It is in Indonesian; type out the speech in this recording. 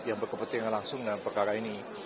yang berkepentingan langsung dengan perkara ini